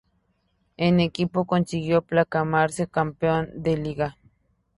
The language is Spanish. El equipo consiguió proclamarse campeón de Liga.